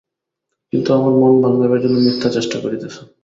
কিন্তু আমার মন ভাঙাইবার জন্য মিথ্যা চেষ্টা করিতেছ।